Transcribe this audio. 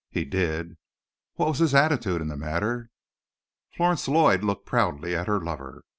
"He did." "What was his attitude in the matter?" Florence Lloyd looked proudly at her lover.